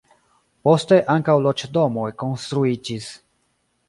Poste ankaŭ loĝdomoj konstruiĝis.